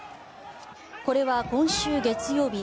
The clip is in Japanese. これは今週月曜日